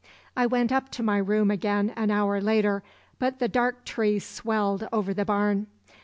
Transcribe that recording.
"I went up to my room again an hour later, but the dark tree swelled over the barn.